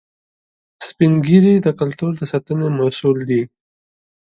سپین ږیری د کلتور د ساتنې مسؤل دي